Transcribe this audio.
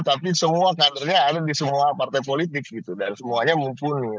tapi semua kadernya ada di semua partai politik gitu dan semuanya mumpuni